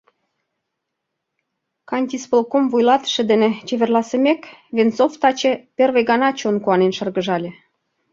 Кантисполком вуйлатыше дене чеверласымек, Венцов таче первый гана чон куанен шыргыжале.